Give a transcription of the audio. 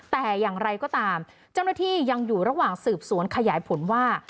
แต่อย่างไรก็ตามเจ้าหน้าที่ยังอยู่ระหว่างสืบสวนขยายผลว่า